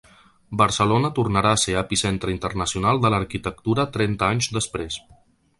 Barcelona tornarà a ser epicentre internacional de l’arquitectura trenta anys després.